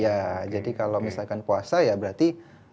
ya jadi kalau misalkan puasa ya berarti